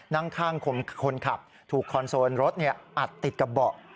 นั่งข้างคนขับถูกคอนโซลรถอัดติดกระเบาะ